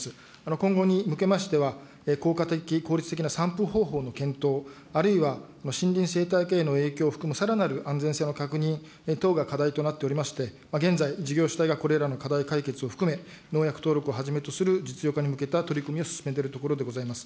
今後に向けましては、効果的、効率的な散布方法の検討、あるいは森林生態系への影響を含むさらなる安全性の確認等が課題となっておりまして、現在、事業主体がこれらの課題解決を含め、農薬登録をはじめとする実用化に向けた取り組みを進めているところでございます。